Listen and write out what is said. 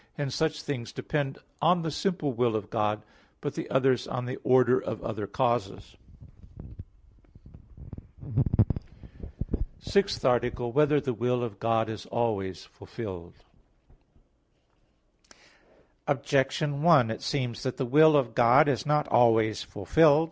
Hence such things depend on the simple will of God; but the others on the order of other causes. _______________________ SIXTH ARTICLE [I, Q. 19, Art. 6] Whether the Will of God Is Always Fulfilled? Objection 1: It seems that the will of God is not always fulfilled.